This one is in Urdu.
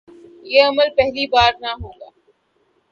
یہ عمل پہلی بار نہ ہو گا۔